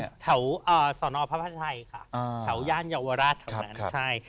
แถวสอนอพระพระชัยค่ะแถวย่านเยาวราชแถวนั้นใช่